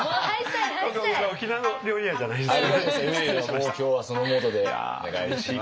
もう今日はそのモードでお願いします。